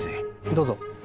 どうぞ。